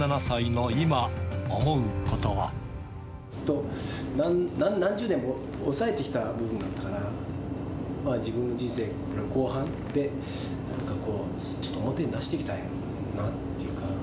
ずっと、何十年か、抑えてきた部分があったから、自分の人生後半で、なんかこう、ちょっと表に出していきたいなっていうか。